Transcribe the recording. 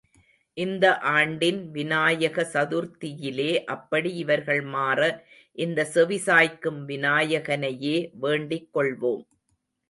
இந்த ஆண்டின் விநாயக சதுர்த்தியிலே அப்படி இவர்கள் மாற இந்த செவி சாய்க்கும் விநாயகனையே வேண்டிக் கொள்வோம்.